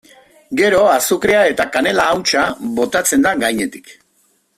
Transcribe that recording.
Gero azukrea eta kanela hautsa botatzen da gainetik.